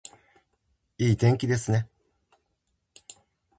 いい天気ですね